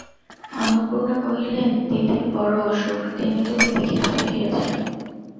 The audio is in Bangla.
অন্নপূর্ণা কহিলেন, দিদির বড়ো অসুখ, তিনি তোকে দেখিতে চাহিয়াছেন।